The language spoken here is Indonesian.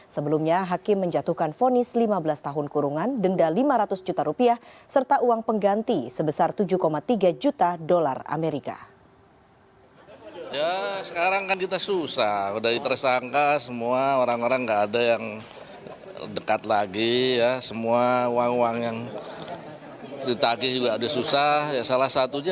sebelumnya hakim menjatuhkan vonis lima belas tahun kurungan denda lima ratus juta rupiah serta uang pengganti sebesar tujuh tiga juta dolar amerika